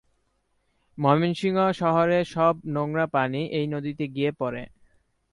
ময়মনসিংহ শহরের সব নোংরা পানি এই নদীতে গিয়ে পড়ে।